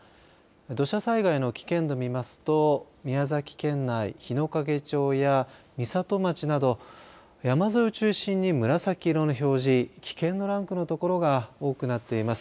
土砂災害の危険度見ますと宮崎県内日之影町や美郷町など山沿いを中心に紫色の表示危険のランクの所が多くなってます。